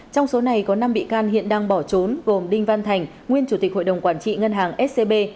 trong số này có năm bị can hiện đang bỏ trốn gồm đinh văn thành nguyên chủ tịch hội đồng quản trị ngân hàng scb